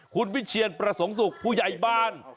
คุณวิเชียนประสงค์สุขผู้ใหญ่บ้าน